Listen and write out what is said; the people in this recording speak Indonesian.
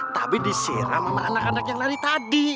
tapi disiram sama anak anak yang lari tadi